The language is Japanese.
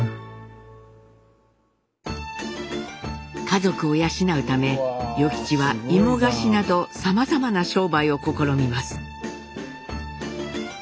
家族を養うため与吉は芋菓子などさまざまな商売を試みます。